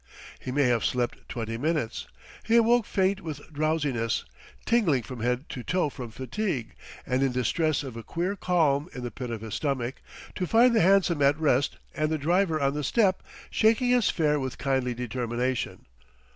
He may have slept twenty minutes; he awoke faint with drowsiness, tingling from head to toe from fatigue, and in distress of a queer qualm in the pit of his stomach, to find the hansom at rest and the driver on the step, shaking his fare with kindly determination.